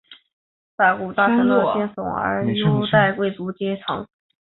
不顾大臣的进谏而优待贵族阶层。